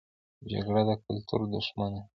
جګړه د کلتور دښمنه ده